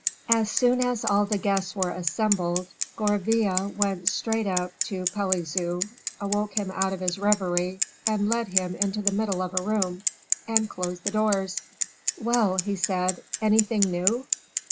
As soon as all the guests were assembled, Gourville went straight up to Pelisson, awoke him out of his reverie, and led him into the middle of a room, and closed the doors. "Well," he said, "anything new?"